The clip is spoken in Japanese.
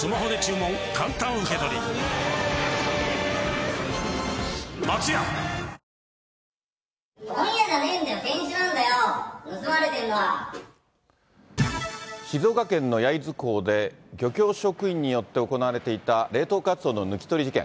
問屋じゃないんだよ、静岡県の焼津港で、漁協職員によって行われていた冷凍カツオの抜き取り事件。